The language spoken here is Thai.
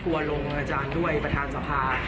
ลงอาจารย์ด้วยประธานสภา